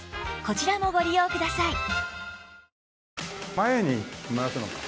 前に回すのか。